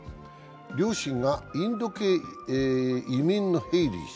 両親がインド系移民のヘイリー氏。